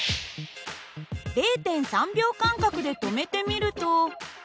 ０．３秒間隔で止めてみると。